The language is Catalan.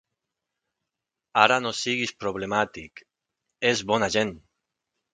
Ara no siguis problemàtic, és bona gent!